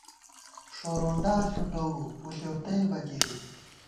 ݭورونڈا ݪُوٹَوُو ، پُݪېؤ تئیبہ گِری